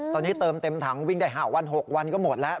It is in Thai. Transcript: ตอนนี้เติมเต็มถังวิ่งได้๕วัน๖วันก็หมดแล้ว